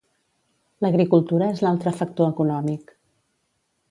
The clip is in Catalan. L'agricultura és l'altre factor econòmic.